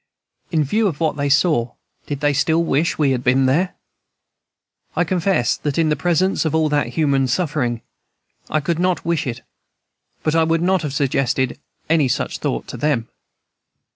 In view of what they saw, did they still wish we had been there? I confess that in presence of all that human suffering, I could not wish it. But I would not have suggested any such thought to them.